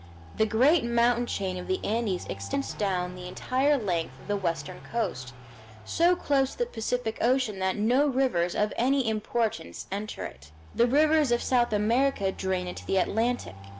The great mountain chain of the Andes extends down the entire length of the western coast, so close to the Pacific Ocean that no rivers of any importance enter it. The rivers of South America drain into the Atlantic.